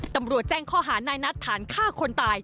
ตำรวจแจ้งข้อหานายนัดฐานฆ่าคนตาย